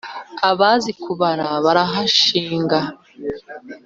Abazi kubara barahanshinga.